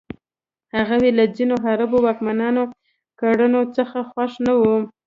هغوی له ځینو عربي واکمنانو کړنو څخه خوښ نه وو.